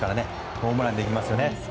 ホームランにできますね。